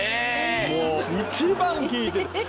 もう一番聴いてた。